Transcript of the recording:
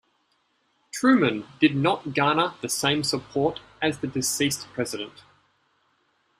Truman did not garner the same support as the deceased president.